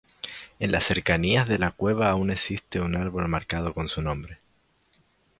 En las cercanías de la cueva aún existe un árbol marcado con su nombre.